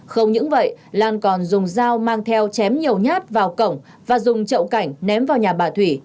không những vậy lan còn dùng dao mang theo chém nhiều nhát vào cổng và dùng chậu cảnh ném vào nhà bà thủy